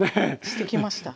してきました？